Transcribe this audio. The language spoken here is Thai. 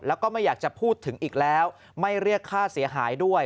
แล้วก็ไม่อยากจะพูดถึงอีกแล้วไม่เรียกค่าเสียหายด้วย